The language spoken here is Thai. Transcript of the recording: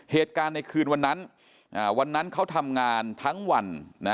เหตุการณ์ในคืนวันนั้นวันนั้นเขาทำงานทั้งวัน